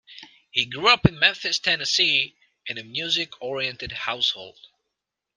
He grew up in Memphis, Tennessee, in a music oriented household.